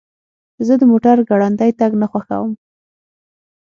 زه د موټر ګړندی تګ نه خوښوم.